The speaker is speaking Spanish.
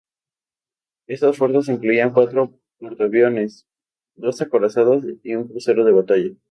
Estas fuerzas, incluían cuatro portaviones, dos acorazados y un crucero de batalla.